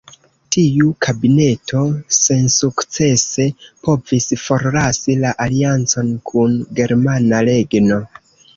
Tiu kabineto sensukcese provis forlasi la aliancon kun Germana Regno.